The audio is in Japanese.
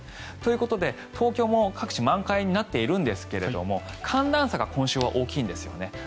ということで東京も各地満開になっているんですが寒暖差が今週は大きいんですよね。